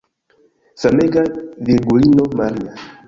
Famega Virgulino Maria!